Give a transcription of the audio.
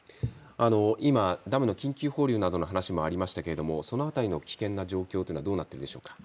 今、ダムの緊急放流などの話もありましたがその辺りの危険な状況はどうなっているでしょうか。